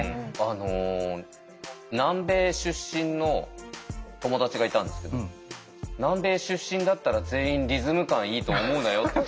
あの南米出身の友達がいたんですけど南米出身だったら全員リズム感いいと思うなよって。